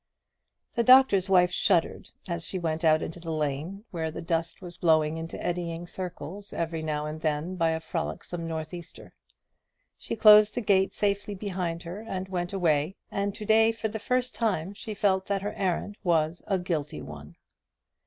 The Doctor's Wife shuddered as she went out into the lane, where the dust was blowing into eddying circles every now and then by a frolicsome north easter. She closed the gate safely behind her and went away, and to day for the first time she felt that her errand was a guilty one.